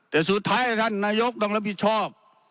แต่สุดท้ายท่านนายกต้องรับผิดชอบ